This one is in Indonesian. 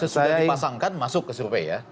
sudah dipasangkan masuk ke survei ya